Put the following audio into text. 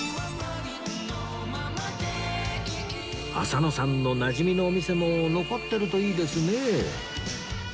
浅野さんのなじみのお店も残っているといいですね